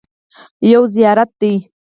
یو زیارت دی.